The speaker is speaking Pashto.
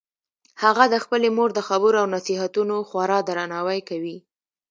هغه د خپلې مور د خبرو او نصیحتونو خورا درناوی کوي